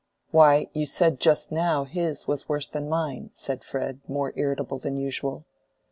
"Why, you said just now his was worse than mine," said Fred, more irritable than usual.